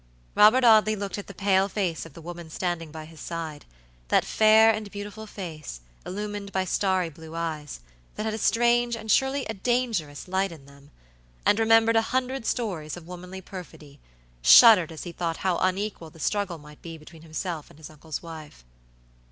Robert Audley looked at the pale face of the woman standing by his side; that fair and beautiful face, illumined by starry blue eyes, that had a strange and surely a dangerous light in them; and remembering a hundred stories of womanly perfidy, shuddered as he thought how unequal the struggle might be between himself and his uncle's wife.